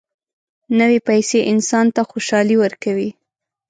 نوې پیسې انسان ته خوشالي ورکوي